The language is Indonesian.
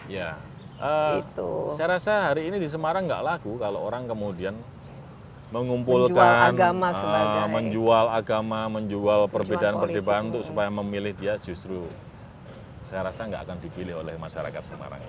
ya saya rasa hari ini di semarang nggak laku kalau orang kemudian mengumpulkan menjual agama menjual perbedaan perbedaan untuk supaya memilih dia justru saya rasa nggak akan dipilih oleh masyarakat semarang